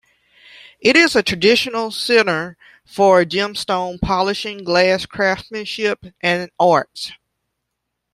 It is a traditional center for gemstone polishing, glass craftsmanship and arts.